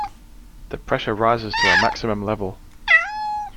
The pressure rises to a maximum level.